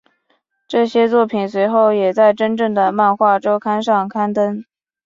这些作品随后也在真正的漫画周刊上刊登。